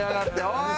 おい！